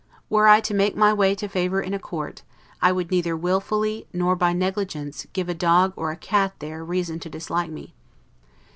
Were I to make my way to favor in a court, I would neither willfully, nor by negligence, give a dog or a cat there reason to dislike me.